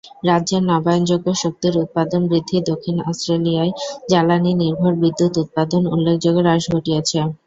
রাজ্যের নবায়ন যোগ্য শক্তির উৎপাদন বৃদ্ধি দক্ষিণ অস্ট্রেলিয়ায় জ্বালানি নির্ভর বিদ্যুত উৎপাদন উল্লেখযোগ্য হ্রাস ঘটিয়েছে।